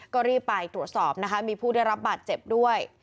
ก็รีบไปตรวจสอบนะคะมีผู้ได้รับบาดเจ็บด้วย